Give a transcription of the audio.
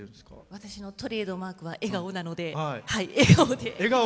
私のトレードマークは笑顔なので笑顔で。